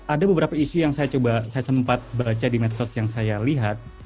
ada beberapa isu yang saya coba saya sempat baca di medsos yang saya lihat